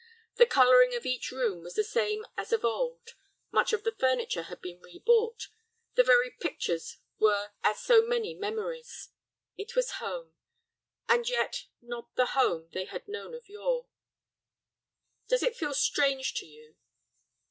The coloring of each room was the same as of old; much of the furniture had been rebought; the very pictures were as so many memories. It was home, and yet not the home they had known of yore. "Does it feel strange to you?"